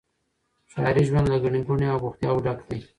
ښاري ژوند له ګڼي ګوڼي او بوختياوو ډک دی.